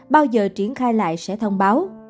bao giờ triển khai lại sẽ thông báo